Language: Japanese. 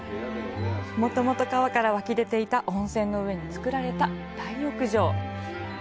もともと川から湧き出ていた温泉の上に作られた大浴場。